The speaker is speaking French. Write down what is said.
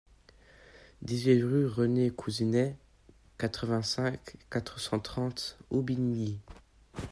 dix-huit rue René Couzinet, quatre-vingt-cinq, quatre cent trente, Aubigny